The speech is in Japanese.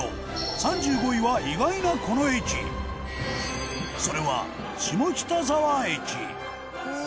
３５位は、意外な、この駅それは、下北沢駅